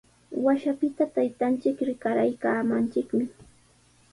Washapita taytanchik rikaraaykaamanchikmi.